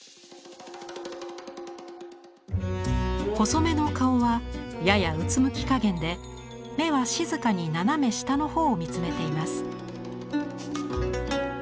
細めの顔はややうつむきかげんで目は静かに斜め下の方を見つめています。